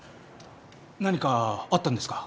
何かあったんですか？